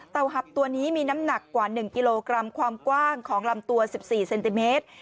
หับตัวนี้มีน้ำหนักกว่า๑กิโลกรัมความกว้างของลำตัว๑๔เซนติเมตร